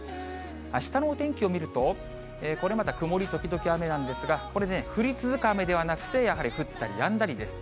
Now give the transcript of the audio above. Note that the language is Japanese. あしたのお天気を見ると、これまた曇り時々雨なんですが、これね、降り続く雨ではなくて、やはり降ったりやんだりです。